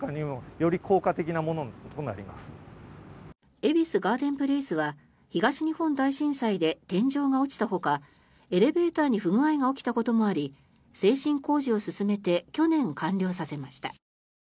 恵比寿ガーデンプレイスは東日本大震災で天井が落ちたほかエレベーターに不具合が起きたこともあり制震工事を進めて去年、完了させました。